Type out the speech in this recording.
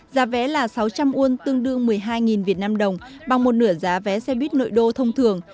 giá vé là sáu trăm linh won tương đương một mươi hai vnđ bằng một nửa giá vé xe buýt nội đô thông thường